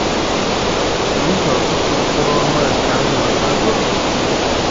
n'ihi ọtụtụ mkpụrụ ọma nke ahụ mịtàgòrò.